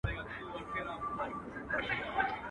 نومونه د اسمان تر ستورو ډېر وه په حساب کي.